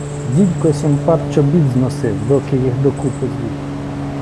Дідько сім пар чобіт зносив, доки їх докупи звів.